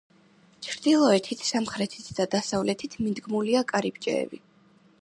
ჩრდილოეთით, სამხრეთით და დასავლეთით მიდგმულია კარიბჭეები.